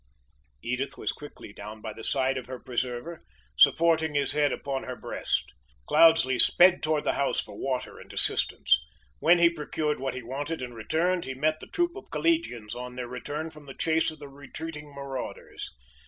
Edith was quickly down by the side of her preserver, supporting his head upon her breast. Cloudesley sped toward the house for water and assistance. When he procured what he wanted and returned, he met the troop of collegians on their return from the chase of the retreating marauders.